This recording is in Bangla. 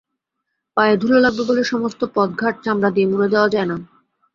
পায়ে ধুলা লাগবে বলে সমস্ত পথঘাট চামড়া দিয়ে মুড়ে দেওয়া যায় না।